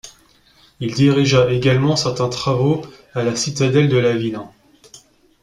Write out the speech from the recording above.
Il dirigea également certains travaux à la citadelle de la ville.